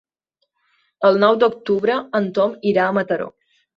El nou d'octubre en Tom irà a Mataró.